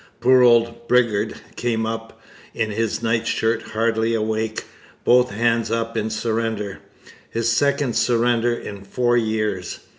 Poor old Bridgar came up in his nightshirt, hardly awake, both hands up in surrender his second surrender in four years.